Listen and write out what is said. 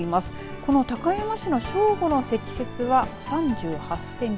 この高山市の正午の積雪は３８センチ。